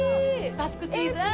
バスクチーズああ！